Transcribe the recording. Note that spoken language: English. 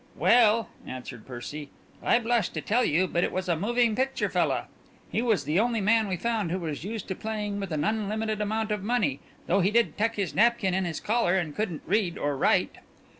"Well," answered Percy, "I blush to tell you, but it was a moving picture fella. He was the only man we found who was used to playing with an unlimited amount of money, though he did tuck his napkin in his collar and couldn't read or write."